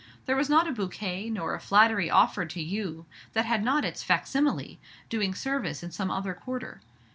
There was not a bouquet nor a flattery offered to you that had not its facsimile, doing service in some other quarter.